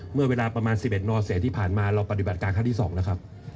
เมื่อเวลาประมาณ๑๑นเศษที่ผ่านมาเราปฏิบัติการครั้งที่๒นะครับ